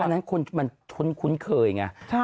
อันนั้นคนมันคุ้นเคยไง